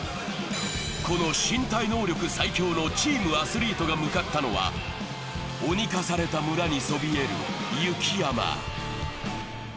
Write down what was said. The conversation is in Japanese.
この身体能力最強のチームアスリートが向かったのは、鬼化された村にそびえる雪山。